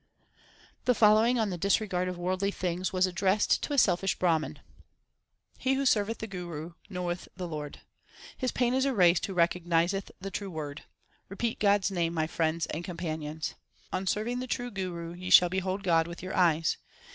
The following on the disregard of worldly things was addressed to a selfish Brahman : He who serveth the Guru knoweth the Lord ; His pain is erased who recognizeth the True Word. Repeat God s name, my friends and companions. On serving the true Guru ye shall behold God with your eyes.